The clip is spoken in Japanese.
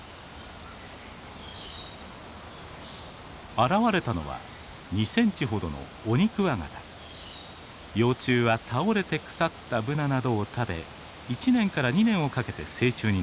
現れたのは２センチほどの幼虫は倒れて腐ったブナなどを食べ１年から２年をかけて成虫になります。